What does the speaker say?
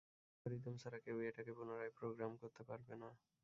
তবে অ্যালগরিদম ছাড়া, কেউই এটাকে পুনরায় প্রোগ্রাম করতে পারবে না।